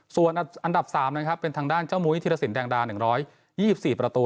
ส่วนอันดับ๓นะครับเป็นทางด้านเจ้ามุ้ยธิรสินแดงดา๑๒๔ประตู